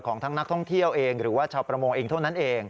ทั้งนักท่องเที่ยวเองหรือว่าชาวประมงเองเท่านั้นเอง